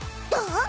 どう？